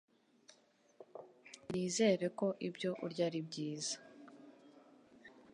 Nizere ko ibyo urya ari byiza.